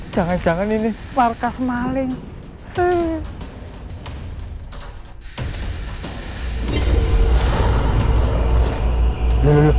jangan jangan ini markas maling